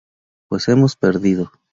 Pues, hemos perdido...".